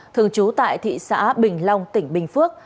dương chú tại thị xã bình long tỉnh bình phước